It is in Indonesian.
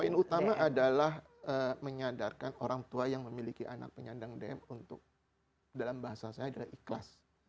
poin utama adalah menyadarkan orang tua yang memiliki anak penyandang dm untuk dalam bahasa saya adalah ikhlas